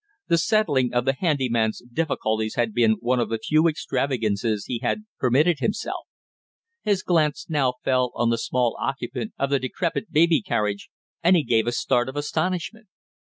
The settling of the handy man's difficulties had been one of the few extravagances he had permitted himself. His glance now fell on the small occupant of the decrepit baby carriage, and he gave a start of astonishment.